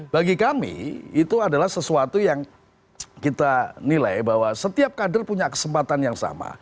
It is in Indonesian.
bagi kami itu adalah sesuatu yang kita nilai bahwa setiap kader punya kesempatan yang sama